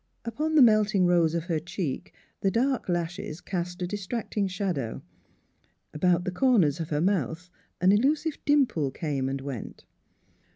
Upon the melting rose of her cheek the dark lashes cast a distracting shadow; about the corners of her mouth an elusive dimple came and went.